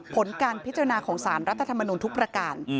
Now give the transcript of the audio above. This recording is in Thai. ผลการพิจารณาของสารรัฐธรรมนุนทุกประการ